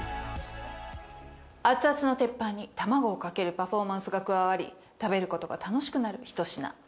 熱々の鉄板に卵をかけるパフォーマンスが加わり食べる事が楽しくなるひと品。